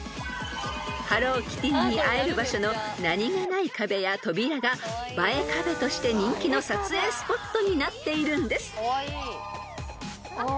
［ハローキティに会える場所の何げない壁や扉が映え壁として人気の撮影スポットになっているんです］